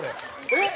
えっ！